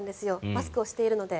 マスクをしているので。